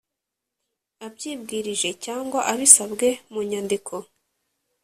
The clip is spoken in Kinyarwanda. Abyibwirije cyangwa abisabwe mu nyandiko